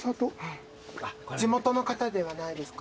地元の方ではないですか？